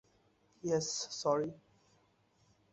Yes, sorry!